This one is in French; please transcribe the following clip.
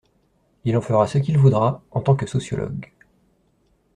il en fera ce qu'il voudra, en tant que sociologue...